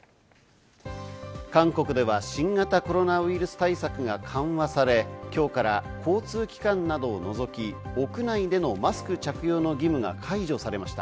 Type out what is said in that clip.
韓国では新型コロナウイルス対策が緩和され、今日から交通機関などを除き、屋内でのマスク着用の義務が解除されました。